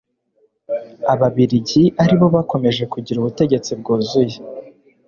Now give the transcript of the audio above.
ababiligi ari bo bakomeje kugira ubutegetsi bwuzuye